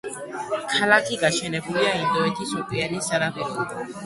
ქალაქი გაშენებულია ინდოეთის ოკეანის სანაპიროზე.